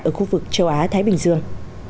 ở khu vực châu á thái bình dương